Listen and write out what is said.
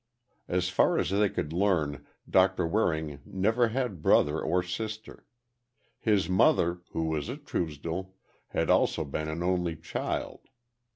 As far as they could learn Doctor Waring never had brother or sister. His mother, who was a Truesdell, had also been an only child.